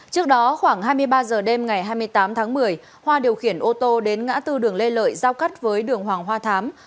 trước đó khoảng hai mươi ba h đêm ngày hai mươi tám tháng một mươi hoa điều khiển ô tô đến ngã tư đường lê lợi giao cắt với đường hoàng hoa thám